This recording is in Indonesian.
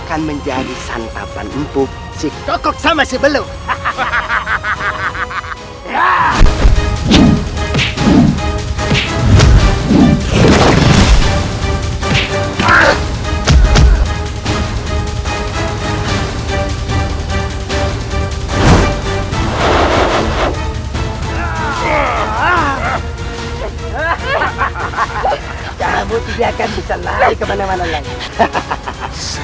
karena dinda sudah bersedia menikah denganku